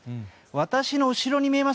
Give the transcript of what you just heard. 私の後ろに見えます